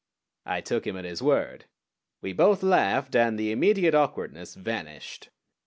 I took him at his word. We both laughed, and the immediate awkwardness vanished.